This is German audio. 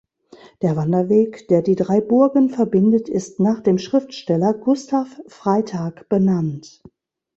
Der Wanderweg, der die drei Burgen verbindet, ist nach dem Schriftsteller Gustav Freytag benannt.